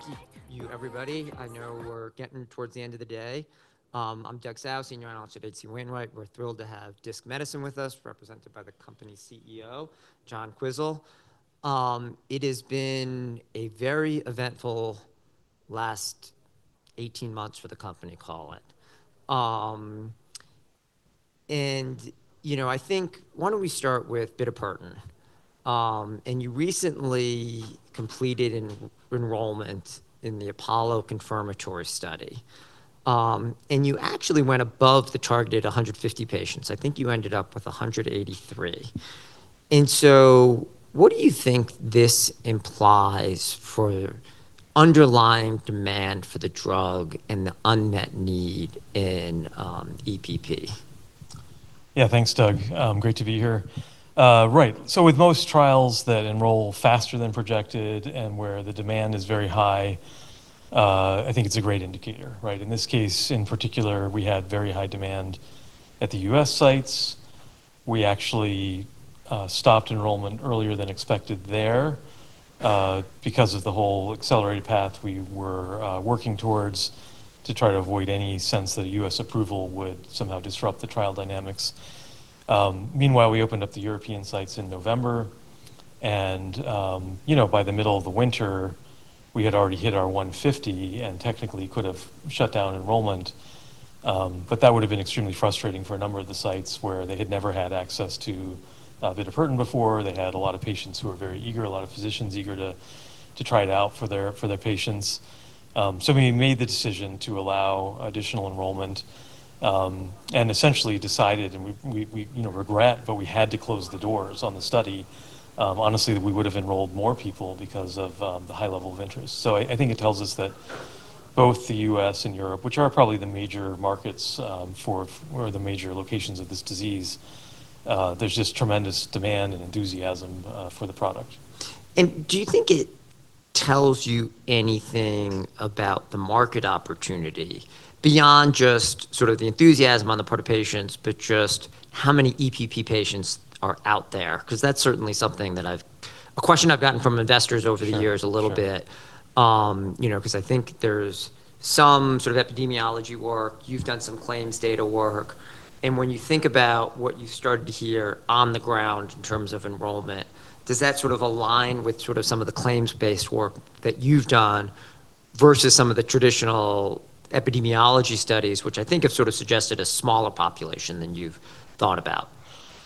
Thank you, everybody. I know we're getting towards the end of the day. I'm Doug Tsao, Senior Analyst at H.C. Wainwright. We're thrilled to have Disc Medicine with us, represented by the company CEO, John Quisel. It has been a very eventful last 18 months for the company, call it. You know, I think why don't we start with bitopertin. You recently completed an enrollment in the APOLLO confirmatory study. You actually went above the targeted 150 patients. I think you ended up with 183. What do you think this implies for underlying demand for the drug and the unmet need in EPP? Yeah. Thanks, Doug. Great to be here. Right. With most trials that enroll faster than projected and where the demand is very high, I think it's a great indicator, right? In this case, in particular, we had very high demand at the U.S. sites. We actually stopped enrollment earlier than expected there, because of the whole accelerated path we were working towards to try to avoid any sense that a U.S. approval would somehow disrupt the trial dynamics. Meanwhile, we opened up the European sites in November, and, you know, by the middle of the winter, we had already hit our 150 and technically could have shut down enrollment. But that would have been extremely frustrating for a number of the sites where they had never had access to bitopertin before. They had a lot of patients who were very eager, a lot of physicians eager to try it out for their, for their patients. We made the decision to allow additional enrollment, and essentially decided and we, you know, regret, but we had to close the doors on the study. Honestly, we would have enrolled more people because of the high level of interest. I think it tells us that both the U.S. and Europe, which are probably the major markets, or the major locations of this disease, there's just tremendous demand and enthusiasm for the product. Do you think it tells you anything about the market opportunity beyond just sort of the enthusiasm on the part of patients, but just how many EPP patients are out there? Because that's certainly something that a question I've gotten from investors over the years— Sure, sure. —a little bit. you know, 'cause I think there's some sort of epidemiology work. You've done some claims data work. When you think about what you started to hear on the ground in terms of enrollment, does that sort of align with sort of some of the claims-based work that you've done versus some of the traditional epidemiology studies, which I think have sort of suggested a smaller population than you've thought about?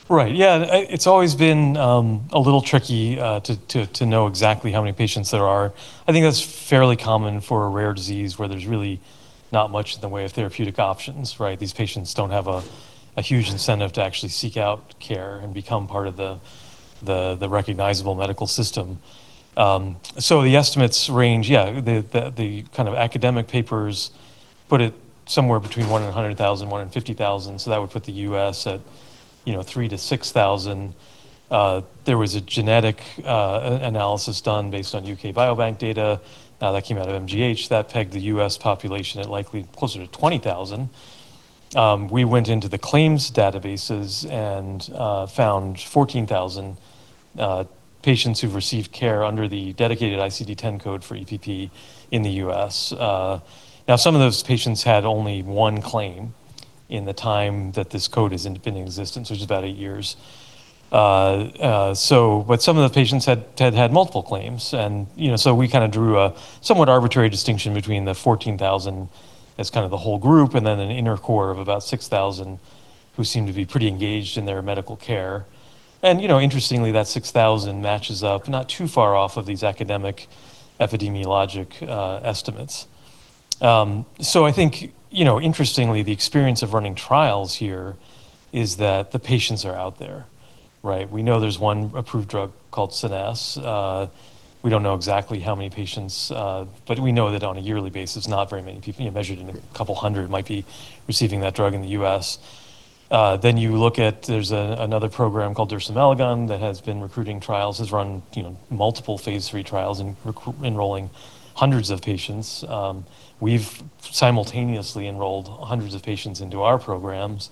Right. Yeah, it's always been a little tricky to know exactly how many patients there are. I think that's fairly common for a rare disease where there's really not much in the way of therapeutic options, right? These patients don't have a huge incentive to actually seek out care and become part of the recognizable medical system. The estimates range, yeah, the kind of academic papers put it somewhere between 1 in 100,000, 1 in 50,000, that would put the U.S. at, you know, 3,000 to 6,000. There was a genetic analysis done based on UK Biobank data that came out of MGH that pegged the U.S. population at likely closer to 20,000. We went into the claims databases and found 14,000 patients who've received care under the dedicated ICD-10 code for EPP in the U.S. Now some of those patients had only one claim in the time that this code has been in existence, which is about eight years. Some of the patients had multiple claims and, you know, we kinda drew a somewhat arbitrary distinction between the 14,000 as kind of the whole group and then an inner core of about 6,000 who seem to be pretty engaged in their medical care. You know, interestingly, that 6,000 matches up not too far off of these academic epidemiologic estimates. I think, you know, interestingly, the experience of running trials here is that the patients are out there, right? We know there's one approved drug called SCENESSE. We don't know exactly how many patients, but we know that on a yearly basis, not very many people, you know, measured in 200 might be receiving that drug in the U.S. You look at there's another program called dersimelagon that has been recruiting trials, has run, you know, multiple phase III trials and enrolling hundreds of patients. We've simultaneously enrolled hundreds of patients into our programs,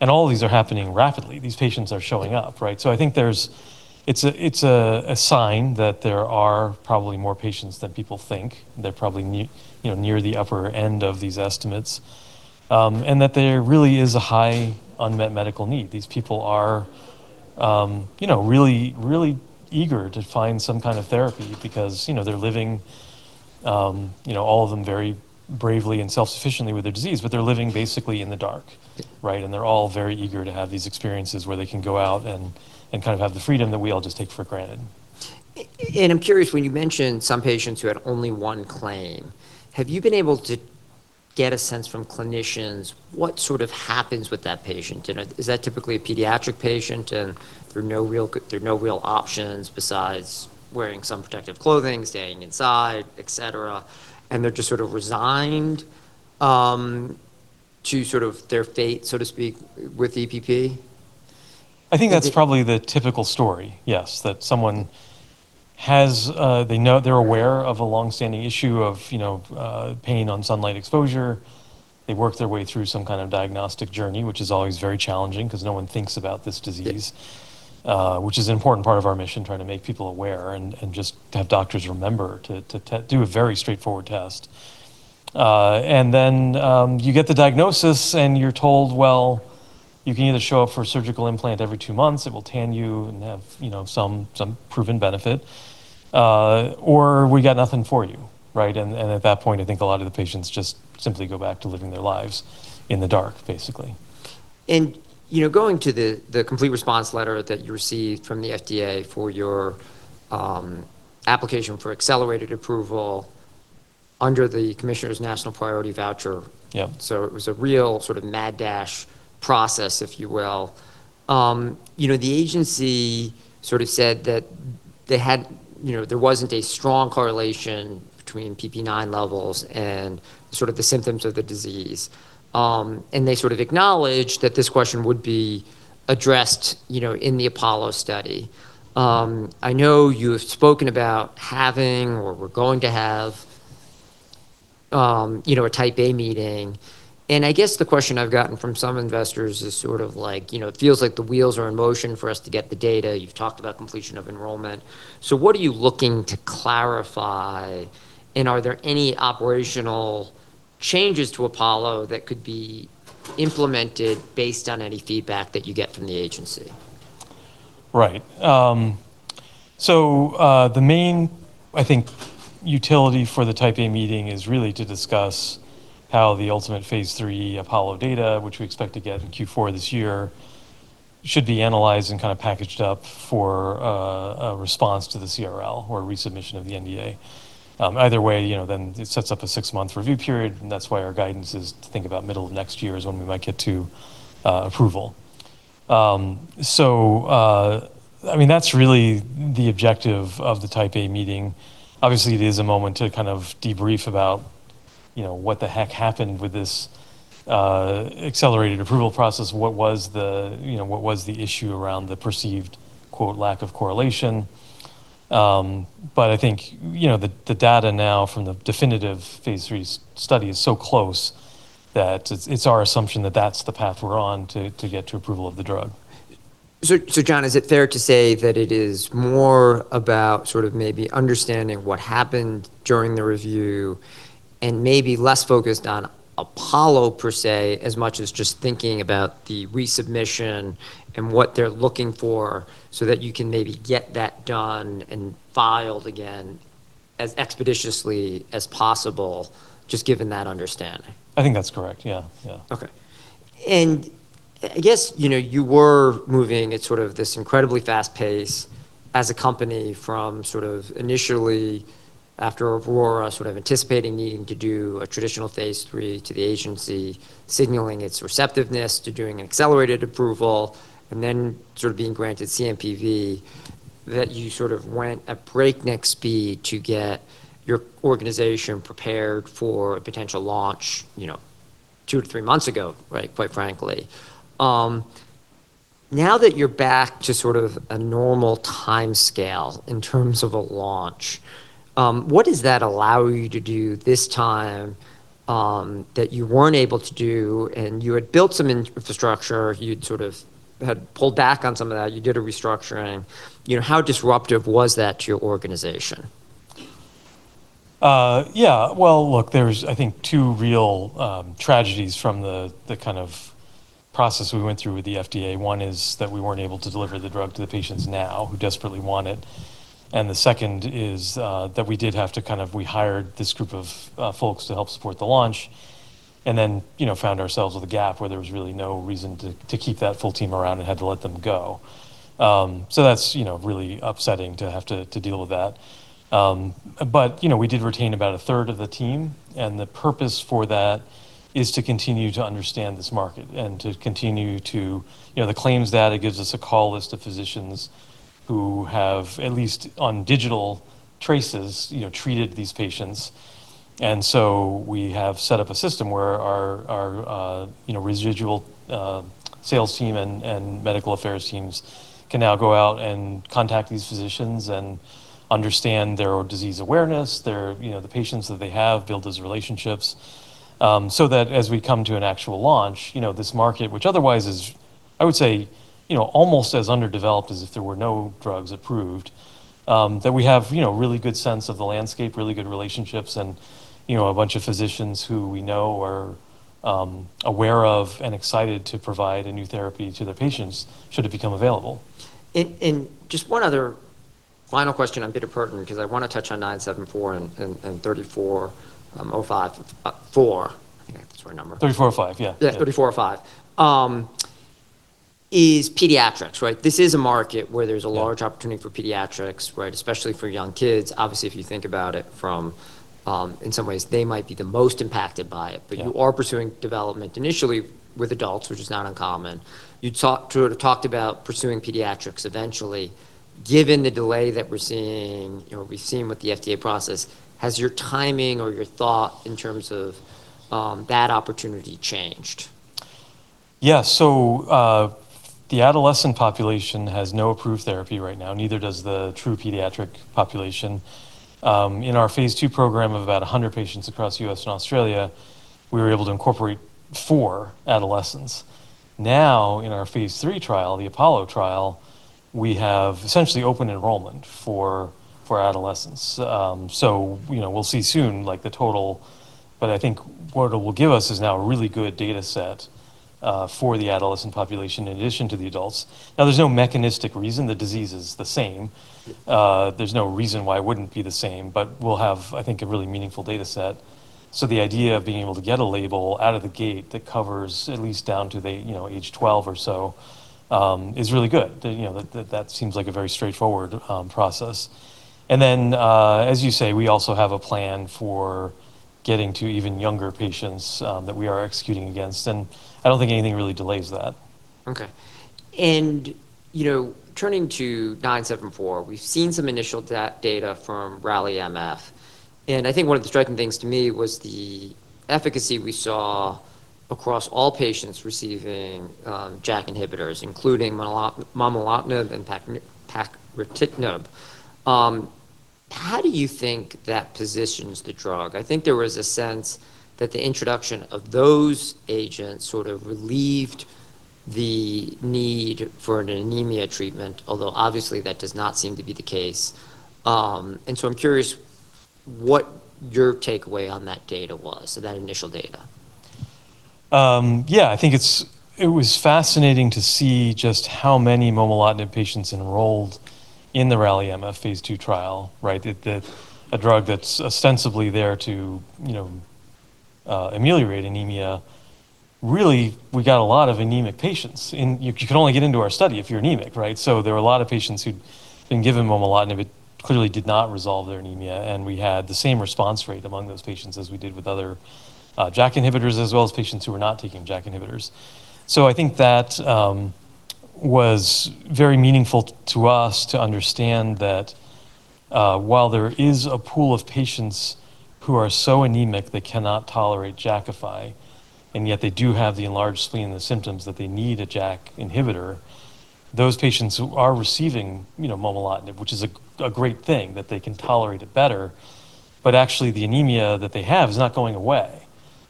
and all of these are happening rapidly. These patients are showing up, right? I think there's it's a sign that there are probably more patients than people think. They're probably, you know, near the upper end of these estimates, and that there really is a high unmet medical need. These people are, you know, really eager to find some kind of therapy because, you know, they're living, you know, all of them very bravely and self-sufficiently with their disease, but they're living basically in the dark, right? They're all very eager to have these experiences where they can go out and kind of have the freedom that we all just take for granted. I'm curious, when you mentioned some patients who had only one claim, have you been able to get a sense from clinicians what sort of happens with that patient? Is that typically a pediatric patient, and there are no real options besides wearing some protective clothing, staying inside, et cetera, and they're just sort of resigned to sort of their fate, so to speak, with EPP? I think that's probably the typical story, yes, that someone has, they're aware of a long-standing issue of, you know, pain on sunlight exposure. They work their way through some kind of diagnostic journey, which is always very challenging because no one thinks about this disease, which is an important part of our mission, trying to make people aware and just to have doctors remember to do a very straightforward test. Then, you get the diagnosis and you're told, "Well, you can either show up for a surgical implant every two months, it will tan you and have, you know, some proven benefit, or we got nothing for you." Right? At that point, I think a lot of the patients just simply go back to living their lives in the dark, basically. You know, going to the complete response letter that you received from the FDA for your application for accelerated approval under the Commissioner's National Priority Voucher. Yeah. It was a real sort of mad dash process, if you will. The agency sort of said that they had, there wasn't a strong correlation between PPIX levels and sort of the symptoms of the disease. They sort of acknowledged that this question would be addressed in the APOLLO study. I know you have spoken about having or were going to have a Type A meeting, I guess the question I've gotten from some investors is it feels like the wheels are in motion for us to get the data. You've talked about completion of enrollment. What are you looking to clarify? Are there any operational changes to APOLLO that could be implemented based on any feedback that you get from the agency? Right. The main, I think, utility for the Type A meeting is really to discuss how the ultimate phase III APOLLO data, which we expect to get in Q4 this year, should be analyzed and kind of packaged up for, a response to the CRL or resubmission of the NDA. Either way, you know, then it sets up a six-month review period, and that's why our guidance is to think about middle of next year is when we might get to, approval. I mean, that's really the objective of the Type A meeting. Obviously, it is a moment to kind of debrief about, you know, what the heck happened with this, accelerated approval process. What was the, you know, what was the issue around the perceived, quote, "lack of correlation"? I think, you know, the data now from the definitive phase III study is so close that it's our assumption that that's the path we're on to get to approval of the drug. John, is it fair to say that it is more about sort of maybe understanding what happened during the review and maybe less focused on APOLLO per se, as much as just thinking about the resubmission and what they're looking for so that you can maybe get that done and filed again as expeditiously as possible, just given that understanding? I think that's correct. Yeah. Yeah. Okay. I guess, you know, you were moving at sort of this incredibly fast pace as a company from sort of initially after AURORA, sort of anticipating needing to do a traditional phase III to the agency, signaling its receptiveness to doing an accelerated approval, then sort of being granted CNPV, that you sort of went at breakneck speed to get your organization prepared for a potential launch, you know, two to three months ago, right? Quite frankly. Now that you're back to sort of a normal timescale in terms of a launch, what does that allow you to do this time that you weren't able to do? You had built some infrastructure, you'd sort of had pulled back on some of that. You did a restructuring. You know, how disruptive was that to your organization? Yeah. Well, look, there's I think two real tragedies from the kind of process we went through with the FDA. One is that we weren't able to deliver the drug to the patients now who desperately want it. The second is that we did have to we hired this group of folks to help support the launch and then, you know, found ourselves with a gap where there was really no reason to keep that full team around and had to let them go. That's, you know, really upsetting to have to deal with that. You know, we did retain about a third of the team, the purpose for that is to continue to understand this market. You know, the claims data gives us a call list of physicians who have, at least on digital traces, you know, treated these patients. We have set up a system where our, you know, residual sales team and medical affairs teams can now go out and contact these physicians and understand their disease awareness, their, you know, the patients that they have, build those relationships, so that as we come to an actual launch, you know, this market, which otherwise is, I would say, you know, almost as underdeveloped as if there were no drugs approved, that we have, you know, a really good sense of the landscape, really good relationships, and, you know, a bunch of physicians who we know are aware of and excited to provide a new therapy to their patients should it become available. Just one other final question on bitopertin, because I want to touch on 0974 and 3405. I think I have the right number. DISC-3405, yeah. Yeah, DISC-3405. Is pediatrics, right? This is a market where there's— Yeah. —a large opportunity for pediatrics, right? Especially for young kids. Obviously, if you think about it from, in some ways, they might be the most impacted by it. Yeah. You are pursuing development initially with adults, which is not uncommon. You sort of talked about pursuing pediatrics eventually. Given the delay that we're seeing, you know, we've seen with the FDA process, has your timing or your thought in terms of that opportunity changed? Yeah. The adolescent population has no approved therapy right now, neither does the true pediatric population. In our phase II program of about 100 patients across U.S. and Australia, we were able to incorporate four adolescents. In our phase III trial, the APOLLO trial, we have essentially open enrollment for adolescents. You know, we'll see soon, like, the total, but I think what it will give us is now a really good data set for the adolescent population in addition to the adults. There's no mechanistic reason the disease is the same. Yeah. There's no reason why it wouldn't be the same, but we'll have, I think, a really meaningful data set. The idea of being able to get a label out of the gate that covers at least down to the, you know, age 12 or so, is really good. You know, that seems like a very straightforward process. As you say, we also have a plan for getting to even younger patients that we are executing against, and I don't think anything really delays that. Okay. You know, turning to DISC-0974, we've seen some initial data from RALLY-MF. I think one of the striking things to me was the efficacy we saw across all patients receiving JAK inhibitors, including momelotinib and pacritinib. How do you think that positions the drug? I think there was a sense that the introduction of those agents sort of relieved the need for an anemia treatment, although obviously that does not seem to be the case. I'm curious what your takeaway on that data was, so that initial data. Yeah, I think it was fascinating to see just how many momelotinib patients enrolled in the RALLY-MF phase II trial, right? A drug that's ostensibly there to, you know, ameliorate anemia, really we got a lot of anemic patients and you can only get into our study if you're anemic, right? There were a lot of patients who'd been given momelotinib. It clearly did not resolve their anemia, and we had the same response rate among those patients as we did with other JAK inhibitors, as well as patients who were not taking JAK inhibitors. I think that was very meaningful to us to understand that while there is a pool of patients who are so anemic they cannot tolerate Jakafi, and yet they do have the enlarged spleen and the symptoms that they need a JAK inhibitor, those patients who are receiving, you know, momelotinib, which is a great thing that they can tolerate it better, but actually the anemia that they have is not going away,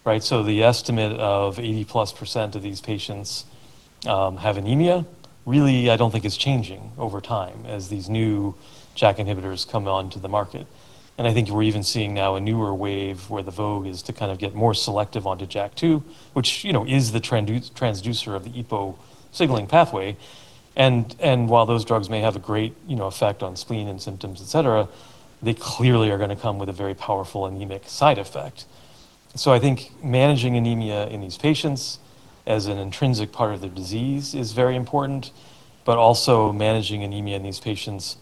right? The estimate of 80%+ of these patients have anemia, really, I don't think it's changing over time as these new JAK inhibitors come onto the market. I think we're even seeing now a newer wave where the vogue is to kind of get more selective onto JAK2, which, you know, is the transducer of the EPO signaling pathway. While those drugs may have a great, you know, effect on spleen and symptoms, et cetera, they clearly are gonna come with a very powerful anemic side effect. I think managing anemia in these patients as an intrinsic part of the disease is very important, but also managing anemia in these patients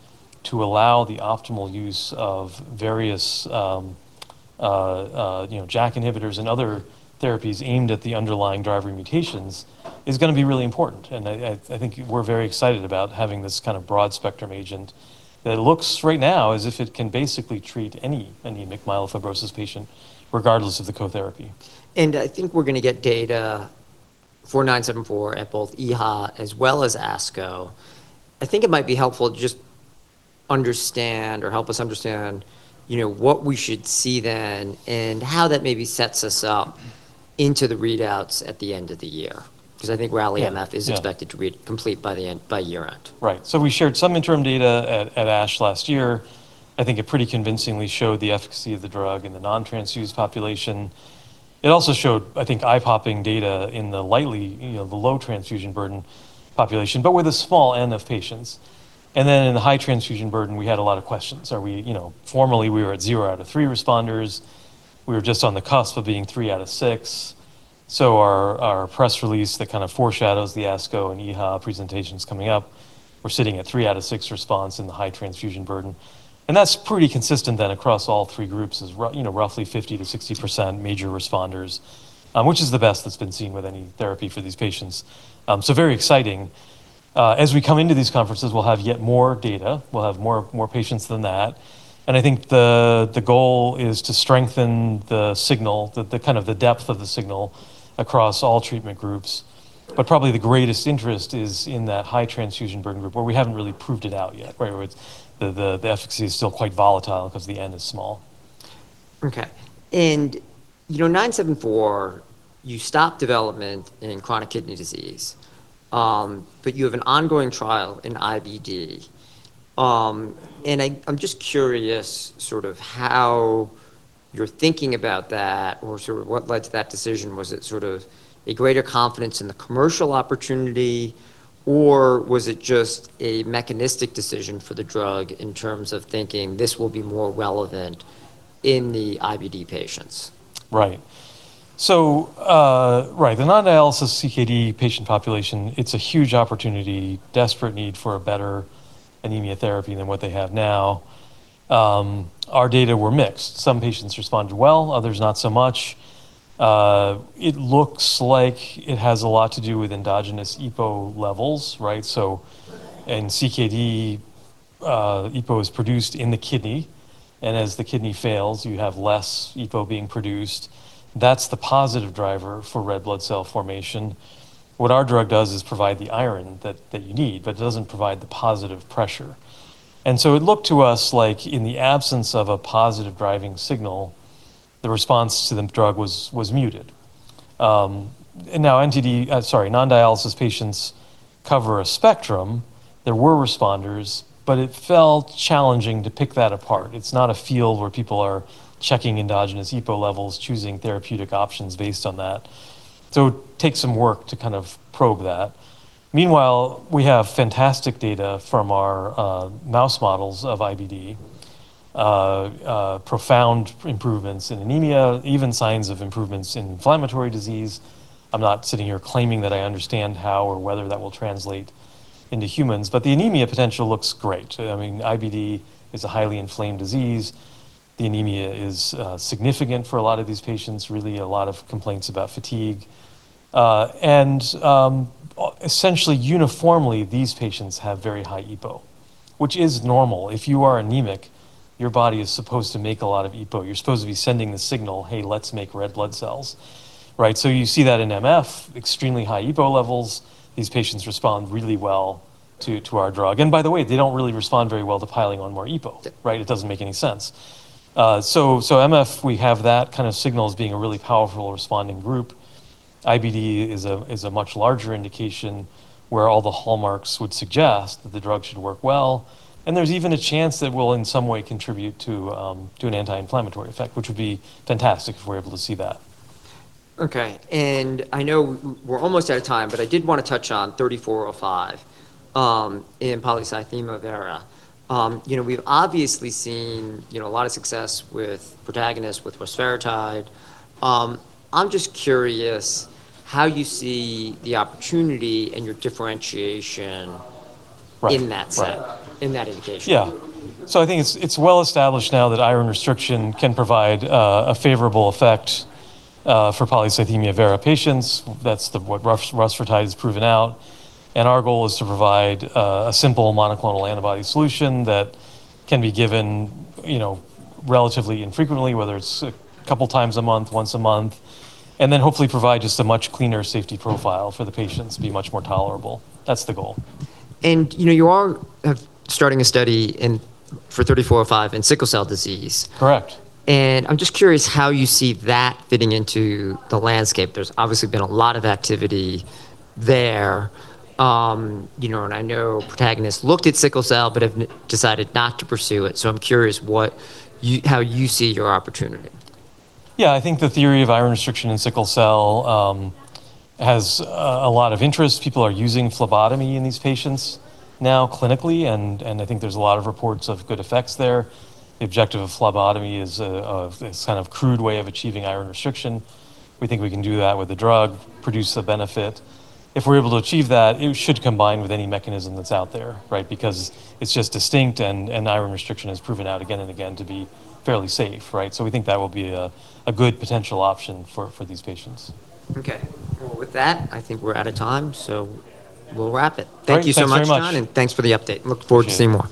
to allow the optimal use of various, you know, JAK inhibitors and other therapies aimed at the underlying driver mutations is gonna be really important. I think we're very excited about having this kind of broad spectrum agent that looks right now as if it can basically treat any anemic myelofibrosis patient regardless of the co-therapy. I think we're gonna get data for 0974 at both EHA as well as ASCO. I think it might be helpful to just understand or help us understand, you know, what we should see then and how that maybe sets us up into the readouts at the end of the year. I think RALLY-MF— Yeah, yeah. —is expected to read complete by year-end. Right. We shared some interim data at ASH last year. I think it pretty convincingly showed the efficacy of the drug in the non-transfused population. It also showed, I think, eye-popping data in the lightly, you know, the low transfusion burden population, but with a small n of patients. In the high transfusion burden, we had a lot of questions. Are we, you know, formally we were at zero out of three responders. We were just on the cusp of being three out of six. Our press release that kind of foreshadows the ASCO and EHA presentations coming up, we're sitting at three out of six response in the high transfusion burden. That's pretty consistent then across all three groups is you know, roughly 50%-60% major responders, which is the best that's been seen with any therapy for these patients. Very exciting. As we come into these conferences, we'll have yet more data. We'll have more patients than that. I think the goal is to strengthen the signal, the kind of the depth of the signal across all treatment groups. Probably the greatest interest is in that high transfusion burden group where we haven't really proved it out yet, right? Where the efficacy is still quite volatile because the n is small. Okay. You know, DISC-0974, you stopped development in chronic kidney disease, but you have an ongoing trial in IBD. I'm just curious sort of how you're thinking about that or sort of what led to that decision. Was it sort of a greater confidence in the commercial opportunity, or was it just a mechanistic decision for the drug in terms of thinking this will be more relevant in the IBD patients? Right. Right. The non-dialysis CKD patient population, it's a huge opportunity, desperate need for a better anemia therapy than what they have now. Our data were mixed. Some patients responded well, others not so much. It looks like it has a lot to do with endogenous EPO levels, right? In CKD, EPO is produced in the kidney, and as the kidney fails, you have less EPO being produced. That's the positive driver for red blood cell formation. What our drug does is provide the iron that you need, but it doesn't provide the positive pressure. It looked to us like in the absence of a positive driving signal, the response to the drug was muted. Sorry, non-dialysis patients cover a spectrum. There were responders, but it felt challenging to pick that apart. It's not a field where people are checking endogenous EPO levels, choosing therapeutic options based on that. It takes some work to kind of probe that. Meanwhile, we have fantastic data from our mouse models of IBD, profound improvements in anemia, even signs of improvements in inflammatory disease. I'm not sitting here claiming that I understand how or whether that will translate into humans, the anemia potential looks great. I mean IBD is a highly inflamed disease. The anemia is significant for a lot of these patients, really a lot of complaints about fatigue. Essentially uniformly, these patients have very high EPO, which is normal. If you are anemic, your body is supposed to make a lot of EPO. You're supposed to be sending the signal, "Hey, let's make red blood cells." Right? You see that in MF, extremely high EPO levels. These patients respond really well to our drug. By the way, they don't really respond very well to piling on more EPO. Yeah. Right. It doesn't make any sense. MF, we have that kind of signals being a really powerful responding group. IBD is a much larger indication where all the hallmarks would suggest that the drug should work well, and there's even a chance that we'll, in some way, contribute to an anti-inflammatory effect, which would be fantastic if we're able to see that. Okay. I know we're almost out of time, but I did wanna touch on 3405 in polycythemia vera. You know, we've obviously seen, you know, a lot of success with Protagonist, with rusfertide. I'm just curious how you see the opportunity and your differentiation— Right, right. —in that set, in that indication. I think it's well established now that iron restriction can provide a favorable effect for polycythemia vera patients. That's what rusfertide has proven out. Our goal is to provide a simple monoclonal antibody solution that can be given, you know, relatively infrequently, whether it's a couple times a month, once a month, hopefully provide just a much cleaner safety profile for the patients, be much more tolerable. That's the goal. You know, you are starting a study for DISC-3405 in sickle cell disease. Correct. I'm just curious how you see that fitting into the landscape. There's obviously been a lot of activity there. You know, I know Protagonist looked at sickle cell but have decided not to pursue it. I'm curious how you see your opportunity. Yeah. I think the theory of iron restriction in sickle cell disease has a lot of interest. People are using phlebotomy in these patients now clinically, and I think there's a lot of reports of good effects there. The objective of phlebotomy is this kind of crude way of achieving iron restriction. We think we can do that with the drug, produce the benefit. If we're able to achieve that, it should combine with any mechanism that's out there, right? Because it's just distinct and iron restriction has proven out again and again to be fairly safe, right? We think that will be a good potential option for these patients. Okay. Well, with that, I think we're out of time, so we'll wrap it. All right. Thanks so much. Thank you so much, John, and thanks for the update. Look forward to seeing more.